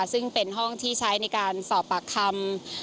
ซึ่งเป็นห้องที่ใช้ในการสอบปากคำ